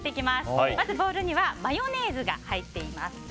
まずボウルにはマヨネーズが入っています。